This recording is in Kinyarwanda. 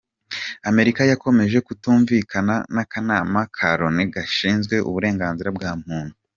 Amerika yakomeje kutumvikana n’Akanama ka Loni gashinzwe uburenganzira bwa muntu.